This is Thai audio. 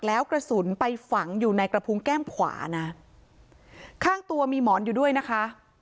แล้วกระสุนไปฝังอยู่ในกระพุงแก้มขวานะข้างตัวมีหมอนอยู่ด้วยนะคะ